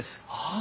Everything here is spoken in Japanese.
あ！